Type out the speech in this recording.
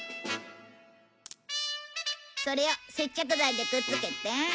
それを接着剤でくっつけて。